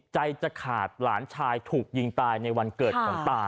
จะขาดหลานชายถูกยิงตายในวันเกิดของตา